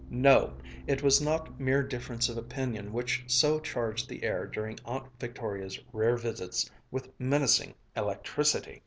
No, it was not mere difference of opinion which so charged the air during Aunt Victoria's rare visits with menacing electricity.